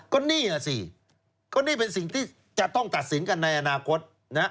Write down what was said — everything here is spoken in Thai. ก็นี่แหละสิก็นี่เป็นสิ่งที่จะต้องตัดสินกันในอนาคต